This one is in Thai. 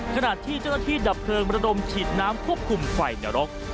ขณะที่เจ้าหน้าที่ดับเพลิงระดมฉีดน้ำควบคุมไฟนรก